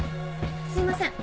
すいません。